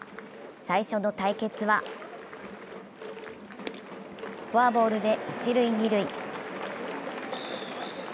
最初の対決はフォアボールで一・二塁。